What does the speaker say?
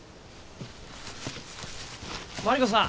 マリコさん